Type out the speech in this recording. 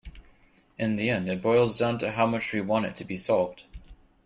In the end it boils down to how much we want it to be solved.